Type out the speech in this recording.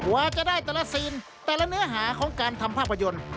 ว่าจะได้แต่ละซีนแต่ละเนื้อหาของการทำภาพยนตร์